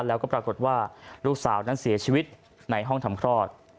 แล้วก็ปรากฏว่าลูกสาวนั้นเสียชีวิตในห้องทำคลอด